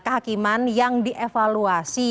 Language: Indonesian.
hakiman yang dievaluasi